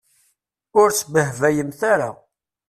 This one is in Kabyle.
Ur sbehbayemt ara.